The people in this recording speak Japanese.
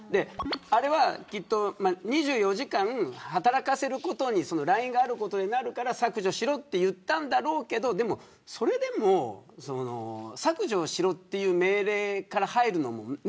あれはきっと２４時間働かせることにラインがあることでそうなるから削除しろと言ったんだろうけどそれでも削除しろという命令から入るのも。